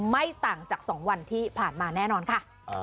ไม่ต่างจาก๒วันที่ผ่านมาแน่นอนค่ะ